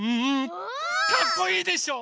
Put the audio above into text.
かっこいいでしょ？